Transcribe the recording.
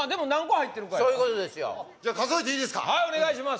はいお願いします